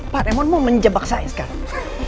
pak remon mau menjebak saya sekarang